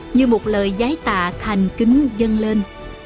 như một lời giái tạ thành kính dâng lên